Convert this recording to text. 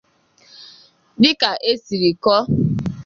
dịka e siri kọọ